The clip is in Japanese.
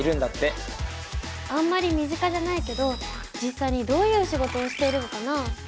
あんまり身近じゃないけど実際にどういう仕事をしているのかな？